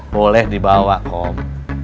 boleh dibawa kom